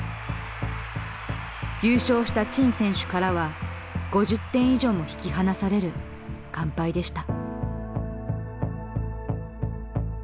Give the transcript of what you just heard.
優勝した陳選手からは５０点以上も引き離される完敗でした。